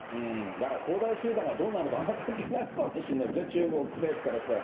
だから恒大集団がどうなろうとあんまり関係ないかもしれないですね、中国政府からしたら。